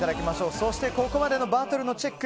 そしてここまでのバトルのチェック。